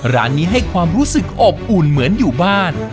ร้านนี้ให้ความรู้สึกอบอุ่นเหมือนอยู่บ้าน